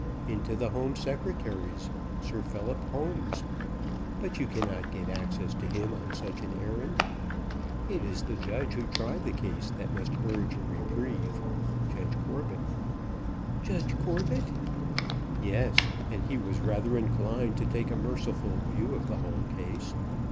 "Into the Home Secretary's Sir Phillip Homes; but you cannot get access to him on such an errand. It is the judge who tried the case that must urge a reprieve Judge Corbet." "Judge Corbet?" "Yes; and he was rather inclined to take a merciful view of the whole case.